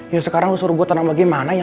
ya sekarang lo suruh gue tenang bagaimana ya